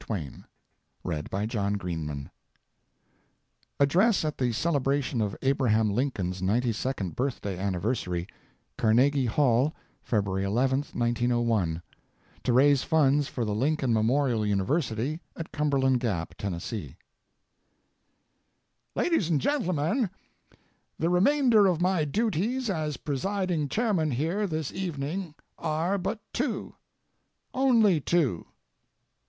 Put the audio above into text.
WATTERSON AND TWAIN AS REBELS ADDRESS AT THE CELEBRATION OF ABRAHAM LINCOLN'S 92ND BIRTHDAY ANNIVERSARY, CARNEGIE HALL, FEBRUARY 11, 1901, TO RAISE FUNDS FOR THE LINCOLN MEMORIAL UNIVERSITY AT CUMBERLAND GAP, TENN. LADIES AND GENTLEMEN,—The remainder of my duties as presiding chairman here this evening are but two—only two.